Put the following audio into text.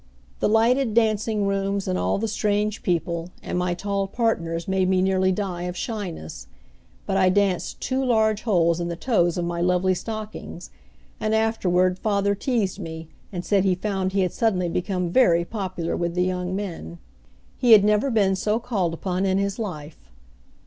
The lighted dancing rooms, and all the strange people, and my tall partners made me nearly die of shyness, but I danced two large holes in the toes of my lovely stockings, and afterward father teased me, and said he found he had suddenly become very popular with the young men. He had never been so called upon in his life.